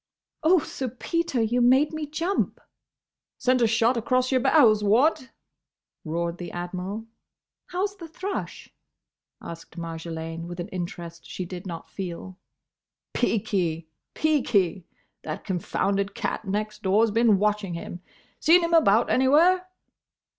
"Oh, Sir Peter! You made me jump!" "Sent a shot across your bows—what?" roared the Admiral. "How's the thrush?" asked Marjolaine with an interest she did not feel. "Peaky. Peaky. That confounded cat next door's been watching him. Seen him about anywhere?"